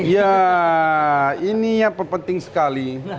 ya ini apa penting sekali